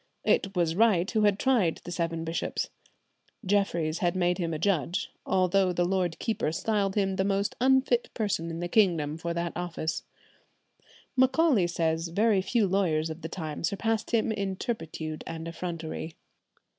It was Wright who had tried the seven bishops. Jeffries had had him made a judge, although the lord keeper styled him the most unfit person in the kingdom for that office. Macaulay says very few lawyers of the time surpassed him in turpitude and effrontery.